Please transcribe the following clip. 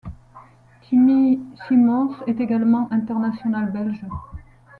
Timmy Simons est également international belge.